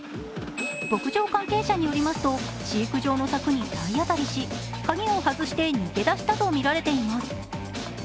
牧場関係者によりますと、飼育場の柵に体当たりし鍵を外して逃げ出したとみられています。